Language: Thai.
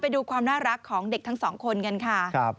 ดูความน่ารักของเด็กทั้งสองคนกันค่ะ